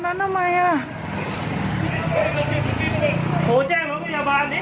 ชุบน้ำชุบมาเลยชุบมาเลย